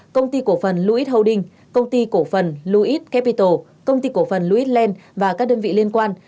công ty cổ phần lewis holding công ty cổ phần lewis capital công ty cổ phần lewis land và các đơn vị liên quan